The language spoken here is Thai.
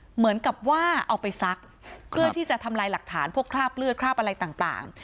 เหมือนกับว่าเอาไปซักเพื่อที่จะทำลายหลักฐานพวกคราบเลือดคราบอะไรต่าง